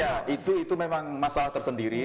ya itu memang masalah tersendiri